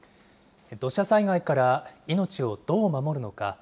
土砂災害から命をどう守るのか。